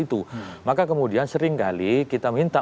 itu maka kemudian sering kali kita minta